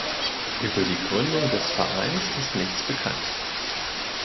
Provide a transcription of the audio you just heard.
Über die Gründung des Vereins ist nichts bekannt.